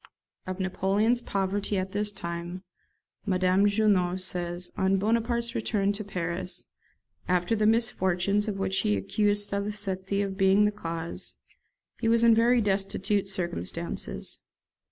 [Of Napoleon's poverty at this time Madame Junot says, "On Bonaparte's return to Paris, after the misfortunes of which he accused Salicetti of being the cause, he was in very destitute circumstances.